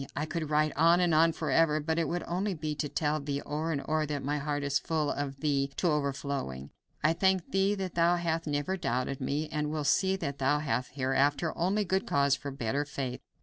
I could write on and on forever, but it would be only to tell thee o'er and o'er that my heart is full of thee to overflowing. I thank thee that thou hast never doubted me, and will see that thou hast hereafter only good cause for better faith.